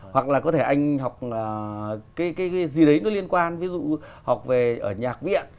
hoặc là có thể anh học cái gì đấy nó liên quan ví dụ học về ở nhạc viện